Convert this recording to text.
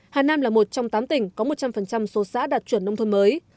hà nam là một trong tám tỉnh có một trăm linh số xã đạt chuẩn nông thôn mới